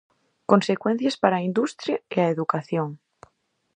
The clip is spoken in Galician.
Consecuencias para a industria e a educación.